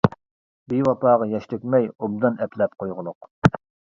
بىۋاپاغا ياش تۆكمەي، ئوبدان ئەپلەپ قويغۇلۇق.